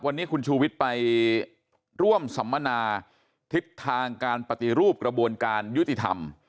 วันนี้คุณชูวิทย์ไปร่วมสัมมนาทิศทางการปฏิรูปกระบวนการยุติธรรม